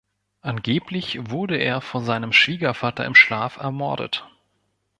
Angeblich wurde er von seinem Schwiegervater im Schlaf ermordet.